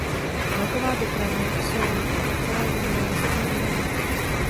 Vlaková doprava je v Soulu a i v celé zemi na vysoké úrovni.